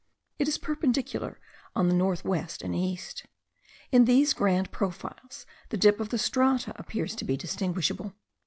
It is perpendicular on the north west and east. In these grand profiles the dip of the strata appears to be distinguishable.